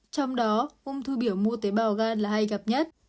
trong đó ung thư biểu mô tế bào gan là hay gặp nhất